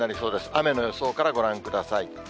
雨の予想からご覧ください。